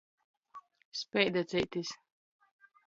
Speidaceitis.